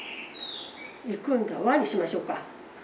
「行くんだわ」にしましょうか。